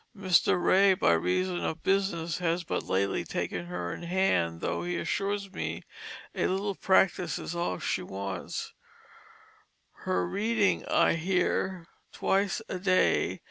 Mr. Wray by reason of business has but lately taken her in hand tho' he assures me a little practice is all she wants; her Reading I hear twice a day.